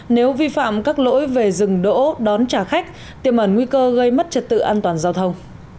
nếu vi phạm các lỗi về dừng đỗ đón trả khách tiềm ẩn nguy cơ gây mất trật tự an toàn giao thông